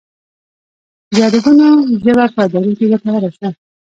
د عددونو ژبه په ادارو کې ګټوره شوه.